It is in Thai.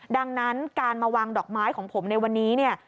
ดังนั้นการมาวางดอกไม้ของผมในวันนี้เนี่ย